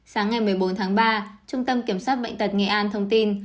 sáng ngày một mươi bốn tháng ba trung tâm kiểm soát bệnh tật nghệ an thông tin